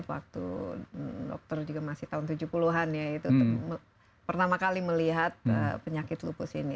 waktu dokter juga masih tahun tujuh puluh an ya itu pertama kali melihat penyakit lupus ini